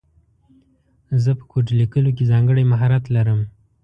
زه په کوډ لیکلو کې ځانګړی مهارت لرم